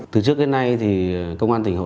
từ trước đến nay thì công an tỉnh hậu